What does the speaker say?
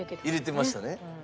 入れてましたね。